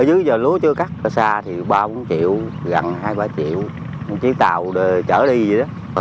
ở dưới giờ lúa chưa cắt xa thì ba bốn triệu gần hai ba triệu chiếc tàu chở đi vậy đó